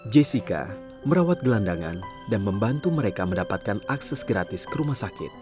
jessica merawat gelandangan dan membantu mereka mendapatkan akses gratis ke rumah sakit